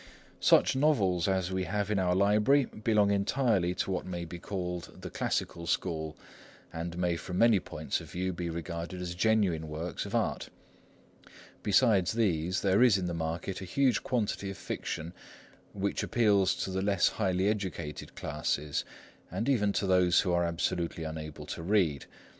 Such novels as we have in our library belong entirely to what may be called the classical school, and may from many points of view be regarded as genuine works of art. Besides these, there is in the market a huge quantity of fiction which appeals to the less highly educated classes, and even to those who are absolutely unable to read.